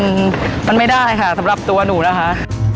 มันมันไม่ได้ค่ะสำหรับตัวหนูนะคะ